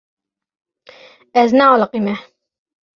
Ez nealiqîme.